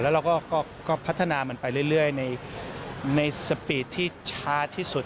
แล้วเราก็พัฒนามันไปเรื่อยในสปีดที่ช้าที่สุด